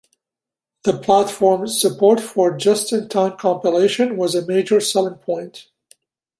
The platform’s support for just-in-time compilation was a major selling point.